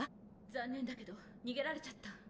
残念だけど逃げられちゃった。